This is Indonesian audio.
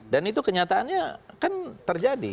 dan itu kenyataannya kan terjadi